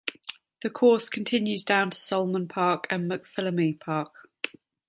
The course continues down to Sulman Park and McPhillamy Park.